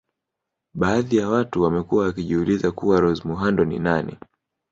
Baadhi ya watu wamekuwa wakijiuliza kuwa Rose muhando ni nani